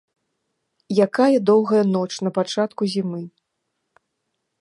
Якая доўгая ноч на пачатку зімы!